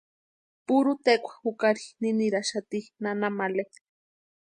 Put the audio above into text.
Purhu tekwa jukari niniraxati nana Male.